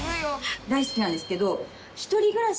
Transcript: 大好きなんですけど。